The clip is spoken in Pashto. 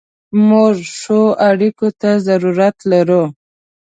موږ ښو اړیکو ته ضرورت لرو.